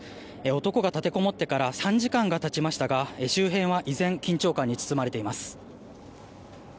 男が立てこもってから３時間が経ちましたが周辺は依然緊張感に包まれています。